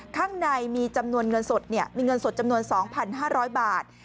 ข้างในมีจำนวนเงินสดมีเงินสดจำนวน๒๕๐๐บาท